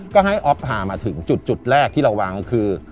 ก็ให้อ๊อฟพามาถึงจุดแรกที่เราวางก็คือ